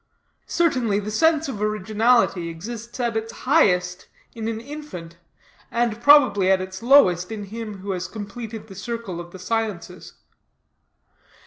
Certainly, the sense of originality exists at its highest in an infant, and probably at its lowest in him who has completed the circle of the sciences.